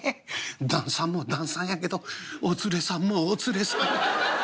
旦さんも旦さんやけどお連れさんもお連れさんや。